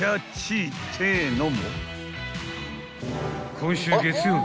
［今週月曜日